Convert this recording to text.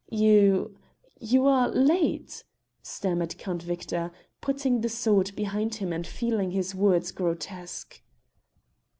"You you are late," stammered Count Victor, putting the sword behind him and feeling his words grotesque.